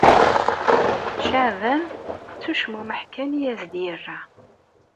Caɛban s ucmumeḥ kan i as-d-yerra.